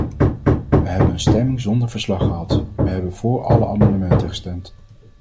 Wij hebben een stemming zonder verslag gehad; wij hebben vóór alle amendementen gestemd.